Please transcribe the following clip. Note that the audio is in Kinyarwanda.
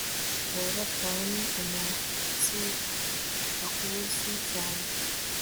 Ku wa gatanu ni umunsi ahuze cyane